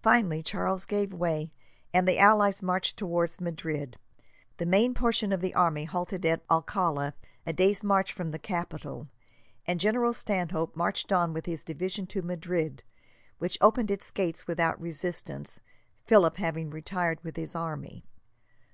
Finally, Charles gave way, and the allies marched towards Madrid. The main portion of the army halted at Alcala, a day's march from the capital, and General Stanhope marched on with his division to Madrid, which opened its gates without resistance, Philip having retired with his army.